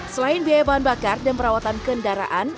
selain biaya bahan bakar dan perawatan kendaraan